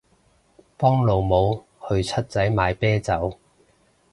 幫老母去七仔買啤酒